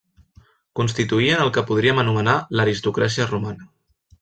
Constituïen el que podríem anomenar l'aristocràcia romana.